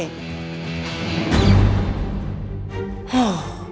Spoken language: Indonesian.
tidak ada yang bisa diusir